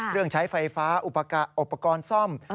เครื่องใช้ไฟฟ้าอุปกรณ์ซ่อม